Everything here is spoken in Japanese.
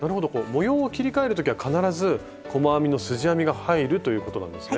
模様を切りかえる時は必ず細編みのすじ編みが入るということなんですね。